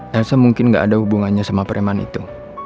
nasa mungkin gak ada hubungannya sama preman itu